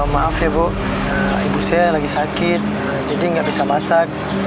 maaf ya bu ibu saya lagi sakit jadi nggak bisa masak